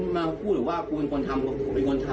มาพูดว่าคุณเป็นคนทำก็เป็นคนทำ